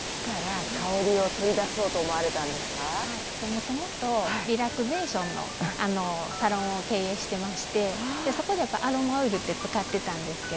もともとリラクゼーションのサロンを経営してましてそこでアロマオイルって使ってたんですけど